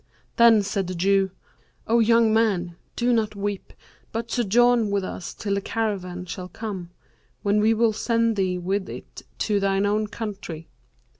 Then said the Jew, 'O young man, do not weep, but sojourn with us till the caravan shall come, when we will send thee with it to thine own country.'